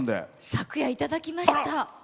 昨夜、いただきました。